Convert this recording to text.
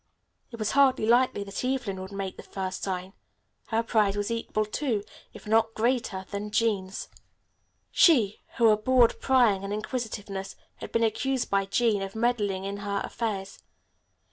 It was hardly likely that Evelyn would make the first sign. Her pride was equal to, if not greater, than Jean's. She, who abhorred prying and inquisitiveness, had been accused by Jean of meddling in her affairs.